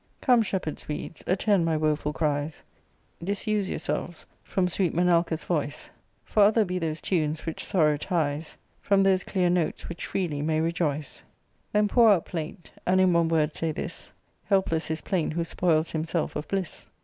" Come, shepherd's weeds, attend my woeful cries, Disuse yourselves from sweet Menalcas' voice ; For other be those tunes which sorrow ties From those clear notes which freely may rejoice ; Then pour out plaint, and in one word say this ; Helpless his plaint who spoils himself of bliss."